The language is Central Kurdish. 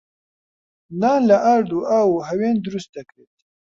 نان لە ئارد و ئاو و هەوێن دروست دەکرێت.